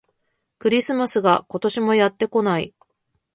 クリスマスが、今年もやってこない